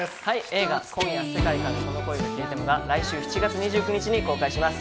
映画『今夜、世界からこの恋が消えても』が来週７月２９日に公開します。